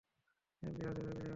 রিয়াজ, এভাবেই জঙ্গী তৈরী হয়।